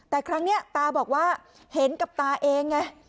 แต่ครั้งนี้ตาบอกว่าเห็นกับตาเองไง